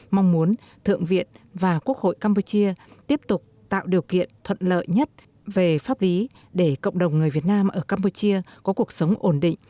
mong muốn thượng viện và quốc hội campuchia tiếp tục tạo điều kiện thuận lợi nhất về pháp lý để cộng đồng người việt nam ở campuchia có cuộc sống ổn định